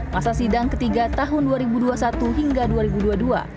masa sidang ketiga tahun dua ribu dua puluh satu hingga dua ribu dua puluh dua